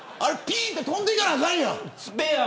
ぴーって飛んでいかなあかんやん。